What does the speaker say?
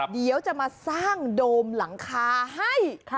เดี๋ยวจะมาสร้างโดมหลังคาให้